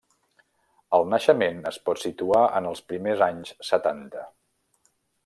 El naixement es pot situar en els primers anys setanta.